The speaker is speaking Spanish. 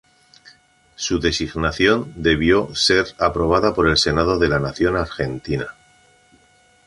Su designación debió ser aprobada en el Senado de la Nación Argentina.